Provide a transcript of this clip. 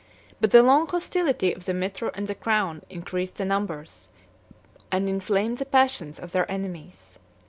But the long hostility of the mitre and the crown increased the numbers, and inflamed the passions, of their enemies.